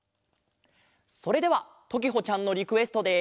それではときほちゃんのリクエストで。